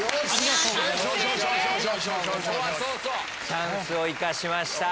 チャンスを生かしました。